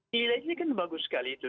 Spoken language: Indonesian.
nilai ini kan bagus sekali itu